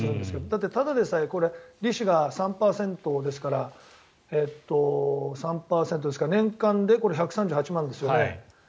だって、ただでさえ利子が３％ですから年間で１３８万ですよね。